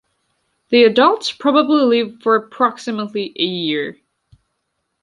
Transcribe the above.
The adults probably live for approximately a year.